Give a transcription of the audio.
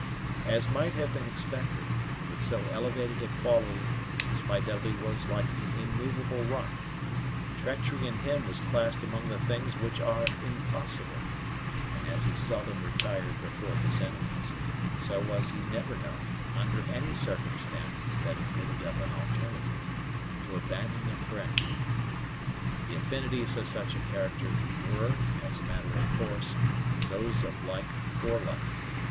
As might have been expected, with so elevated a quality his fidelity was like the immovable rock; treachery in him was classed among the things which are impossible; and as he seldom retired before his enemies, so was he never known, under any circumstances that admitted of an alternative, to abandon a friend. The affinities of such a character were, as a matter of course, those of like for like.